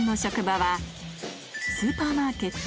スーパーマーケット